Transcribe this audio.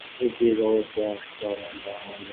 Greeks use the word similarly.